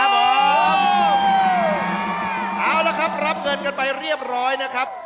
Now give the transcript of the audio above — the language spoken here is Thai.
เอาละครับรับเงินกันไปเรียบร้อยนะครับ